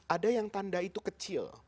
ada yang tanda itu kecil